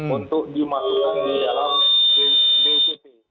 untuk dimasukkan di dalam dpp